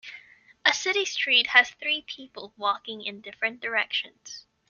A city street has three people walking in different directions.